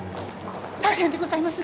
大変でございます！